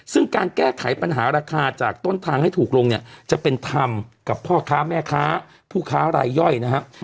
ซึ่งการแก้ไขปัญหาราคาจากต้นทางให้ถูกลงเนี่ยจะเป็นธรรมกับพ่อค้าแม่ค้าผู้ค้ารายย่อยนะครับ